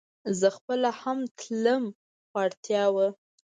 زه خپله هم تلم خو اړتيا وه